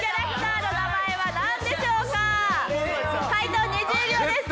解答２０秒です。